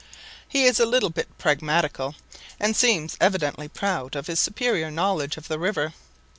He is a little bit pragmatical, and seems evidently proud of his superior knowledge of the river.